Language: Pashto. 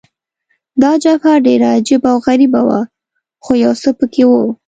دا جبهه ډېره عجبه او غریبه وه، خو یو څه په کې وو.